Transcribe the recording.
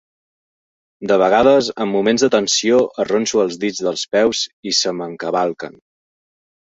De vegades, en moments de tensió, arronso els dits dels peus i se m'encavalquen.